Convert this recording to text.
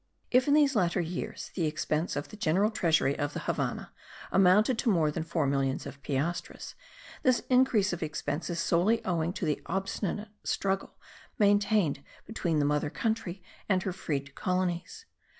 If in these latter years, the expense of the general treasury of the Havannah amounted to more than four millions of piastres, this increase of expense is solely owing to the obstinate struggle maintained between the mother country and her freed colonies.